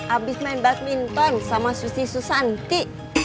abis main badminton sama susi susanti